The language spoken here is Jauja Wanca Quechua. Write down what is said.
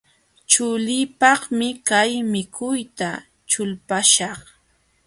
Chuliipaqmi kay mikuyta ćhulpuśhaq.